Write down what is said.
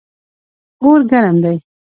اور ګرم دی.